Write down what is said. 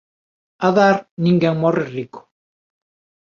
A dar, ninguén morre rico.